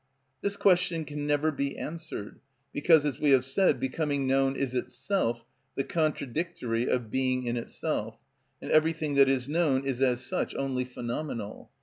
This question can never be answered: because, as we have said, becoming known is itself the contradictory of being in itself, and everything that is known is as such only phenomenal.